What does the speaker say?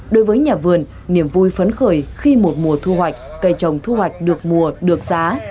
đối với nhà vườn niềm vui phấn khởi khi một mùa thu hoạch cây trồng thu hoạch được mùa được giá